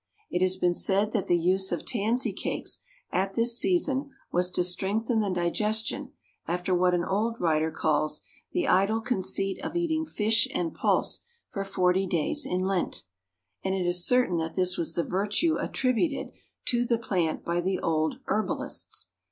It has been said that the use of tansy cakes at this season was to strengthen the digestion after what an old writer calls "the idle conceit of eating fish and pulse for forty days in Lent," and it is certain that this was the virtue attributed to the plant by the old herbalists.